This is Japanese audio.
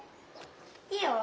いいよ。